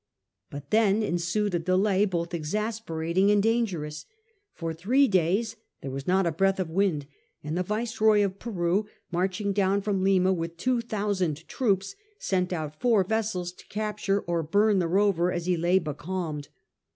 But then ensued a delay hoth exasperating and dangerous. For three days there was not a breath of wind, and the Viceroy of Peru, marching down from Lima with two thousand troops, sent out four vessels to capture or bum the rover as he lay becalmed.